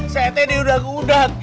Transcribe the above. saya teh deh udah keudang